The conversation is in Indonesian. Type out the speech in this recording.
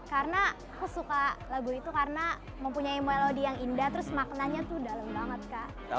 karena aku suka lagu itu karena mempunyai melodi yang indah terus maknanya tuh dalam banget kak